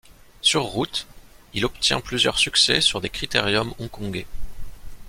Sur route, il obtient plusieurs succès sur des critériums hongkongais.